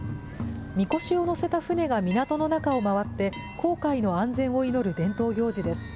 みこしを乗せた船が港の中を回って、航海の安全を祈る伝統行事です。